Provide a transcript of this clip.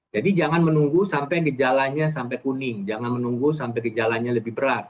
jangan menunggu sampai gejalanya sampai kuning jangan menunggu sampai gejalanya lebih berat